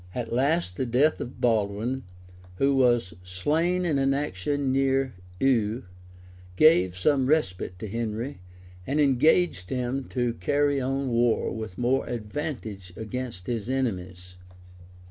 {1118.} At last the death of Baldwin, who was slain in an action near Eu, gave some respite to Henry, and enabled him to carry on war with more advantage against his enemies.